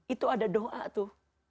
itu ada doa tuh